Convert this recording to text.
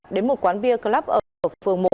đến một quán bia club ở phường một